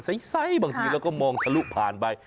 บางทีเราก็มองทะลุผ่านไป